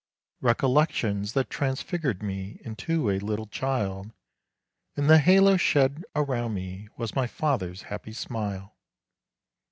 Recollections that transfigured me into a little child, And the halo shed around me was my father's happy smile.